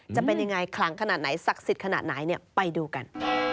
จะเป็นยังไงคลังขนาดไหนศักดิ์สิทธิ์ขนาดไหนไปดูกัน